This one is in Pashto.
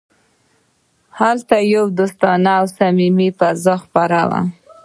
هلته یوه دوستانه او صمیمي فضا خپره وه